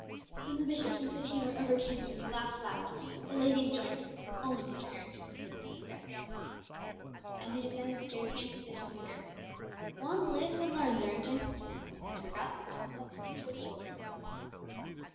Then the bishop's sense of humour overcame him and he laughed loud, the ladies joining him, only Mr. Errington preserving his gravity. As he descended the stairs again, he said to the vicar, "One lives and learns, Errington. I had forgotten the complex natures of children."